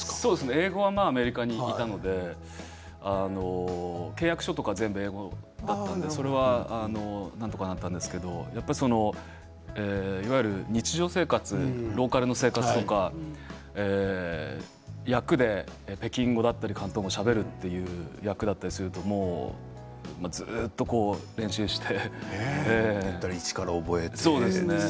英語はアメリカにいたので契約書が全部英語だったのでなんとかなったんですけどいわゆる日常生活ローカルな生活とか役で北京語や広東語をしゃべる役だったりするとずっと練習して。